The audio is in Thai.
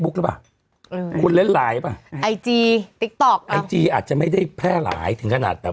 คุณเล่นไลน์หรือเปล่า